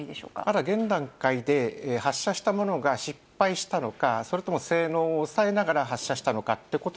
まだ現段階で、発射したものが失敗したのか、それとも性能を抑えながら発射したのかってこと